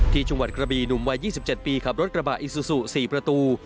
ที่จังหวัดกระบีหนุ่มวัย๒๗ปีขับรถกระบะอิซูซู๔ประตู